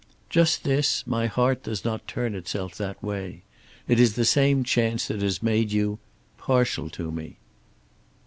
"Just this; my heart does not turn itself that way. It is the same chance that has made you partial to me."